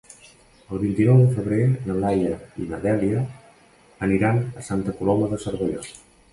El vint-i-nou de febrer na Laia i na Dèlia aniran a Santa Coloma de Cervelló.